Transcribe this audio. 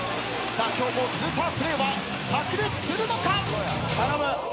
今日もスーパープレーは炸裂するのか？